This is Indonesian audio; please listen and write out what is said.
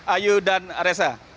ayu dan resa